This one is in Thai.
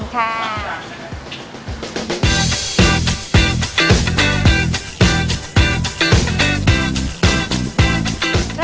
ขอบคุณค่ะ